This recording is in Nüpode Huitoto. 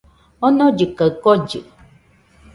Omollɨ kaɨ kollɨ